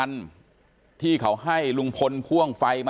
เนี่ย